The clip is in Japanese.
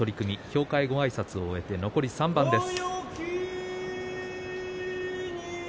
協会ごあいさつを終えて残り３番です。